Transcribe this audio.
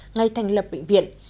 ngay thành lập bệnh viện